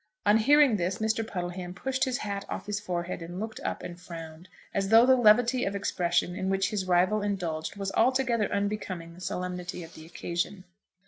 On hearing this, Mr. Puddleham pushed his hat off his forehead and looked up and frowned, as though the levity of expression in which his rival indulged, was altogether unbecoming the solemnity of the occasion.